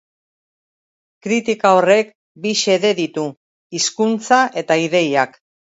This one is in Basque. Kritika horrek bi xede ditu: hizkuntza eta ideiak.